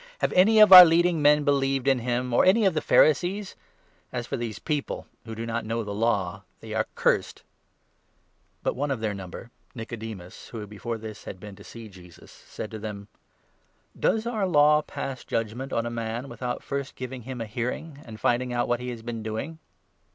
" Have any of our leading men believed in him, or 48 any of the Pharisees ? As for these people who do not know 49 the Law— they are cursed !" But one of their number, Nicodemus, who before this had 50 been to see Jesus, said to them : "Does our Law pass judgement on a man without first giving 51 him a hearing, and finding out what he has been doing